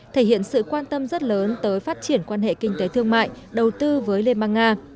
thể hiện sự quan tâm rất lớn tới phát triển quan hệ kinh tế thương mại đầu tư với liên bang nga